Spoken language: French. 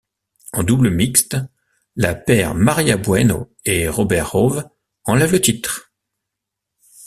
En double mixte, la paire Maria Bueno et Robert Howe enlève le titre.